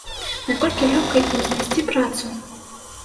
Наколькі лёгка ім знайсці працу?